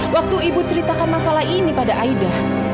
waktu ibu ceritakan masalah ini pada aida